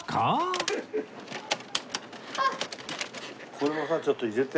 これもさちょっと入れて。